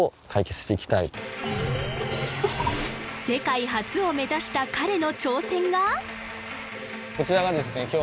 世界初を目指した彼の挑戦がこちらがですね